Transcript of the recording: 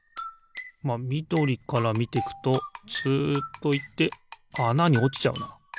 まあみどりからみてくとツッといってあなにおちちゃうな。